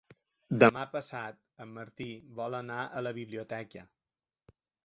Demà passat en Martí vol anar a la biblioteca.